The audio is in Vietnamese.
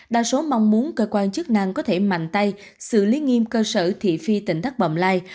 đa số mong muốn cơ quan chức năng có thể mạnh tay xử lý nghiêm cơ sở thị phi tỉnh đắk bồm lai